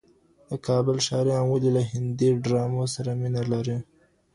د کابل ښاریان ولي له هندي ډرامو سره مینه لري؟